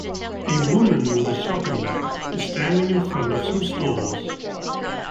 A woman with a shopping bag is standing in front of some stores